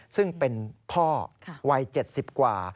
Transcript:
ซึ่งเป็นพ่อวัย๗๐กว่า